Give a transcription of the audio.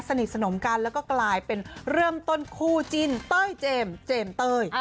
สนิทสนมกันแล้วก็กลายเป็นเริ่มต้นคู่จิ้นเต้ยเจมส์เจมส์เต้ย